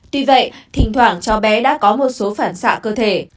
tuy vậy thỉnh thoảng chó bé đã có một số phản xạ cơ thể